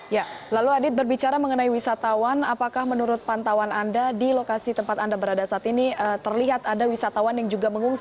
ya lalu adit berbicara mengenai wisatawan apakah menurut pantauan anda di lokasi tempat anda berada saat ini terlihat ada wisatawan yang juga mengungsi